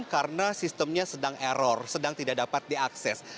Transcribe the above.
karena sistemnya sedang error sedang tidak dapat diakses